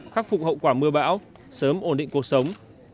khắc phục hậu quả mưa bão sớm ổn định cuộc sống